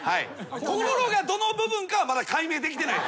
心がどの部分かはまだ解明できてないです。